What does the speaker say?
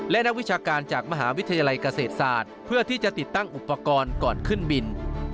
และนักวิชาการจากมหาวิทยาลัยเกษตรศาสตร์เพื่อที่จะติดตั้งอุปกรณ์ก่อนขึ้นบิน